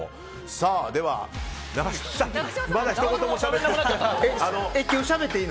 では永島さんまだひと言もしゃべってない。